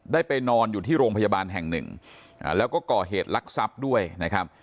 ไปนอนอยู่ที่โรงพยาบาลแห่งหนึ่งแล้วก็ก่อเหตุลักษัพด้วยนะครับ